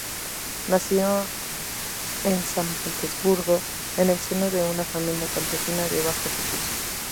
Nació en San Petersburgo en el seno de una familia campesina de bajos recursos.